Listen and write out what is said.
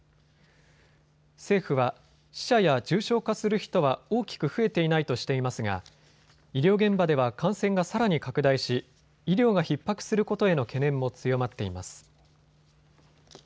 政府は、死者や重症化する人は大きく増えていないとしていますが医療現場では感染がさらに拡大し医療がひっ迫することへの懸念も強まっています。